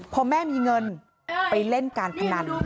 พอแม่มีเงินไปเล่นการพนัน